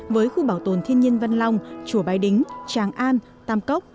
với khu bảo tồn thiên nhiên văn long chùa bái đính tràng an tam cốc